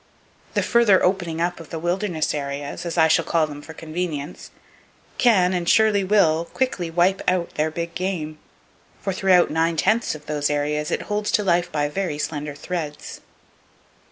The further "opening up " of the [Page 157] wilderness areas, as I shall call them for convenience, can and surely will quickly wipe out their big game; for throughout nine tenths of those areas it holds to life by very slender threads.